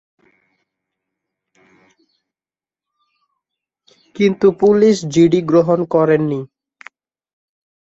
কিন্তু police GD গ্রহণ করেনি।